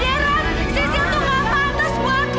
deren si siu itu nggak pantas buat lo